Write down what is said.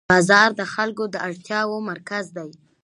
بازار د خلکو د اړتیاوو مرکز دی